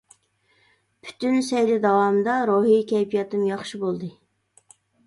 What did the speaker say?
پۈتۈن سەيلە داۋامىدا روھى كەيپىياتىم ياخشى بولدى.